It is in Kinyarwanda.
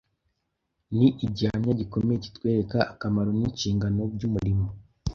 ni igihamya gikomeye kitwereka akamaro n’inshingano by’umurimo